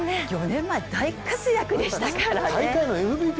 ４年前、大活躍でしたからね。